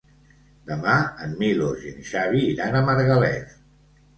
Demà en Milos i en Xavi iran a Margalef.